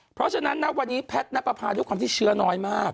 เพราะฉะนั้นณวันนี้แพทย์นับประพาด้วยความที่เชื้อน้อยมาก